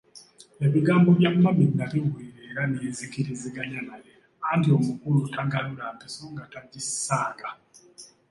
Ebigambo bya mami nabiwuliriza era ne nzikiriziganya naye anti omukulu tagalula mpiso nga tagissanga.